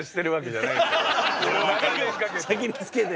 先につけて。